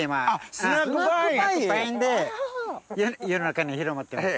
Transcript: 「スナックパイン」で世の中には広まってます。